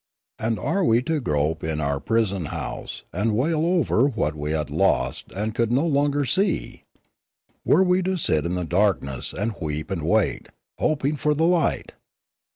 And were we to grope in our prison house, and wail over what we had lost and could not longer see ? Were we to sit in the darkness, and weep and wait, hoping for the light